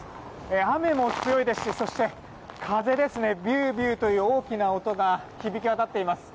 雨も強いですしそして風もビュービューという大きな音が響き渡っています。